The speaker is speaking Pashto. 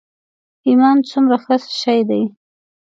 ایمان څومره ښه شی دی.